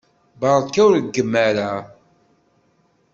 Beṛka ur reggem ara!